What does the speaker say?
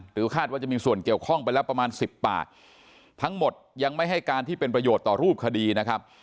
คาดว่าจะมีส่วนเกี่ยวข้องไปแล้วประมาณสิบปากทั้งหมดยังไม่ให้การที่เป็นประโยชน์ต่อรูปคดีนะครับ